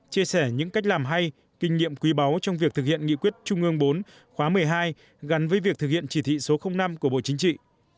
chia sẻ những cách làm hay kinh nghiệm quý báu trong việc thực hiện nghị quyết trung ương bốn khóa một mươi hai gắn với việc thực hiện chỉ thị số năm của bộ chính trị